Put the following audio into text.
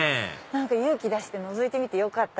勇気出してのぞいてよかった。